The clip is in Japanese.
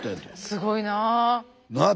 すごいな。なあ。